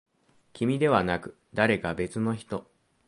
君ではなく、誰か別の人。